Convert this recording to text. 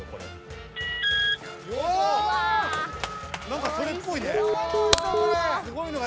何かそれっぽいね。